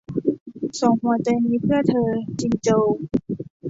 สองหัวใจนี้เพื่อเธอ - จินโจว